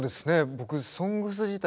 僕「ＳＯＮＧＳ」自体